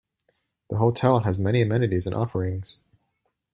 The hotel has many amenities and offerings.